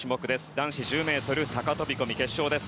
男子１０ｍ高飛込決勝です。